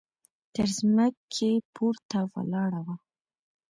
تر ځمکې پورته ولاړه وه.